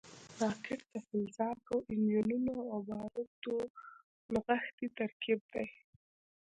راکټ د فلزاتو، انجنونو او بارودو نغښتی ترکیب دی